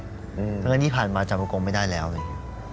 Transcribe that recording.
เพราะฉะนั้นที่ผ่านมาจำว่าอาโกงไม่ได้แล้วเลย